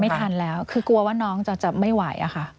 ไม่ทันแล้วคือกลัวว่าน้องจะไม่ไหวอะค่ะ